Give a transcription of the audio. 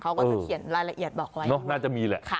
เขาเขียนรายละเอียดบอกไว้